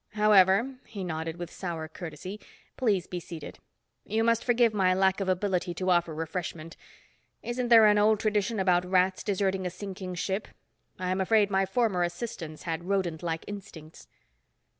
However," he nodded with sour courtesy, "please be seated. You must forgive my lack of ability to offer refreshment. Isn't there an old tradition about rats deserting a sinking ship? I am afraid my former assistants had rodentlike instincts."